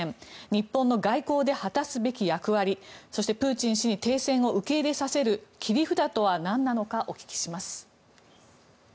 日本の外交で果たすべき役割そして、プーチン氏に停戦を受け入れさせる切り札とはなんなのか、お聞きします。